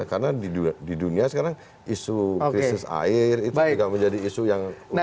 karena di dunia sekarang isu krisis air itu juga menjadi isu yang utama